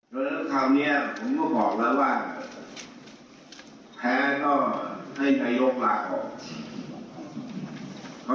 ภายในคำนี้ผมก็บอกแล้วว่า